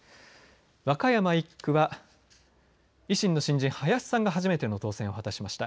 和歌山１区は維新の新人、林さんが初めての当選を果たしました。